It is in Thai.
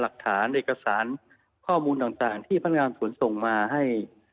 หลักฐานเอกสารข้อมูลต่างที่พนักงานสวนส่งมาให้